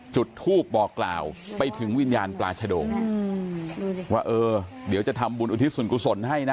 จุดทูปบอกกล่าวไปถึงวิญญาณปลาชดงว่าเออเดี๋ยวจะทำบุญอุทิศส่วนกุศลให้นะ